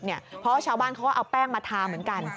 เพราะชาวบ้านเขาก็เอาแป้งมาทาเหมือนกัน